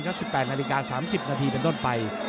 กับ๑๘น๓๐นเป็นต้นไป